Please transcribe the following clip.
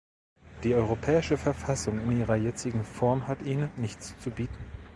Die europäische Verfassung in ihrer jetzigen Form hat ihnen nichts zu bieten.